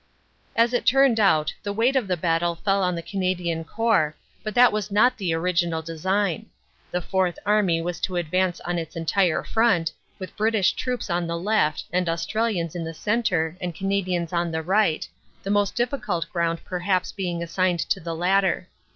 As it turned out, the weight of the battle fell on the Cana dian Corps, but that was not the original design. The Fourth Army was to advance on its entire front, with British troops on the left, the Australians in the centre and Canadians on the right, the most difficult ground perhaps being assigned to the latter.